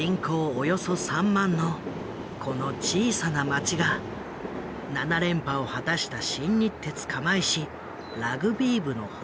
およそ３万のこの小さな町が７連覇を果たした新日鉄釜石ラグビー部の本拠地だった。